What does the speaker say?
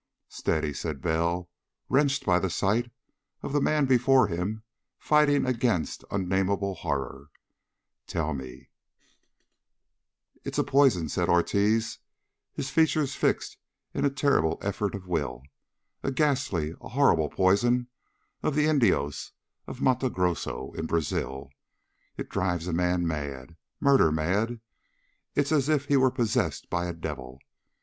"Steady!" said Bell, wrenched by the sight of the man before him fighting against unnameable horror. "Tell me " "It is poison," said Ortiz, his features fixed in a terrible effort of will. "A ghastly, a horrible poison of the Indios of Matto Grosso, in Brazil. It drives a man mad, murder mad. It is as if he were possessed by a devil.